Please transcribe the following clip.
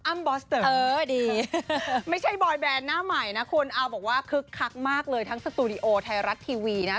บอสเตอร์เออดีไม่ใช่บอยแบรนด์หน้าใหม่นะคุณเอาบอกว่าคึกคักมากเลยทั้งสตูดิโอไทยรัฐทีวีนะ